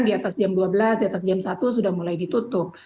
di atas jam dua belas di atas jam satu sudah mulai ditutup